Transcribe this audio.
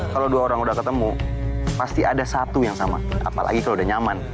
kalau dua orang udah ketemu pasti ada satu yang sama apalagi kalau udah nyaman